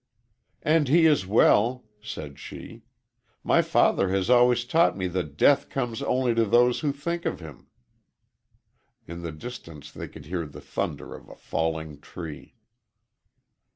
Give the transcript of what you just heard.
"And he is well," said she. "My father has always taught me that Death comes only to those who think of him." In the distance they could hear the thunder of a falling tree.